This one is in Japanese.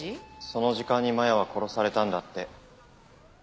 その時間に真弥は殺されたんだって。